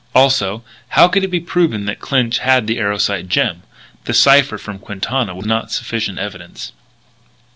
Also, how could it be proven that Clinch had the Erosite gem? The cipher from Quintana was not sufficient evidence.